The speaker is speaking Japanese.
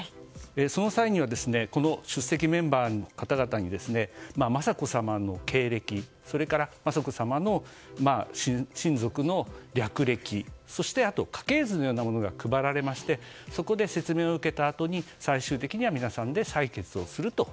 その際には出席メンバーの方々に雅子さまの経歴それから雅子さまの親族の略歴そして、家系図のようなものが配られましてそこで説明を受けたあとに最終的には皆さんで採決をすると。